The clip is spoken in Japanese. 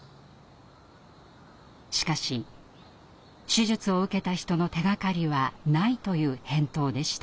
しかし手術を受けた人の手がかりはないという返答でした。